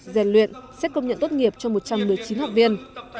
rèn luyện xét công nhận tốt nghiệp cho một trăm một mươi chín học viên